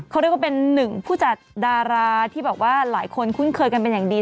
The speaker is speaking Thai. เขาเรียกว่าเป็นหนึ่งผู้จัดดาราที่แบบว่าหลายคนคุ้นเคยกันเป็นอย่างดี